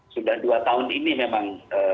sudah dua tahun ini memang